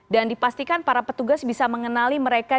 dan dipastikan para petugas bisa mengenali mereka